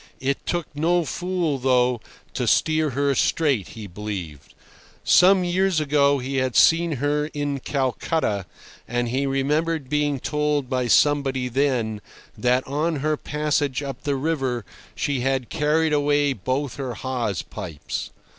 It took no fool, though, to steer her straight, he believed. Some years ago he had seen her in Calcutta, and he remembered being told by somebody then, that on her passage up the river she had carried away both her hawse pipes.